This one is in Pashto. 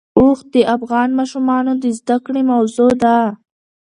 اوښ د افغان ماشومانو د زده کړې موضوع ده.